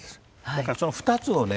だからその２つをね